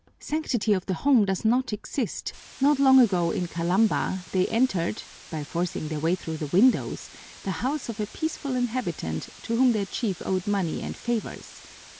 Sanctity of the home does not exist; not long ago in Kalamba they entered, by forcing their way through the windows, the house of a peaceful inhabitant to whom their chief owed money and favors.